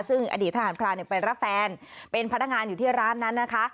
ซึ่งอดีตทหารพรานไปรับแฟนเป็นพนักงานอยู่ที่ร้านนั้นนะคะ